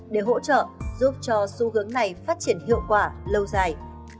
để hỗ trợ giúp cho xu hướng này phát triển hiệu quả lâu dài